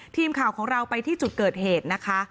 ทีมข่าวของเราไปที่จุดเกิดเหตุนะคะ